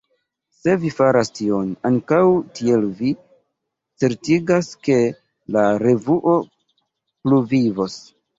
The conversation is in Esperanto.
Se vi faras tion, ankaŭ tiel vi certigas, ke la revuo pluvivos.